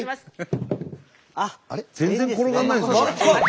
全然転がらないんですね。